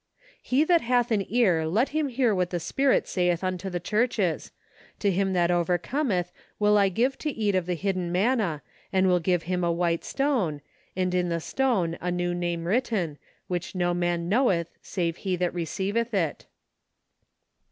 " He that hath an ear let him hear what the Spirit saith unto the churches; To him that overcometh will I give to eat of the hidden manna, and will give him a white stone, and in the stone a new name written, xcliich no man knoweth save he that receiv eth it."